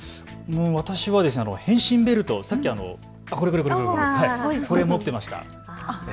私は変身ベルト、これこれ、これ持っていました。